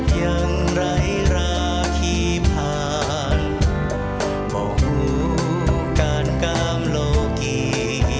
ยังไหลลาขี้ผ่านบ่หูกาลกามโลกี